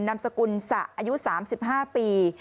นามสกุลสะอายุ๓๕ปี